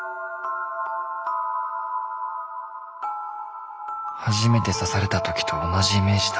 心の声初めて刺された時と同じイメージだ。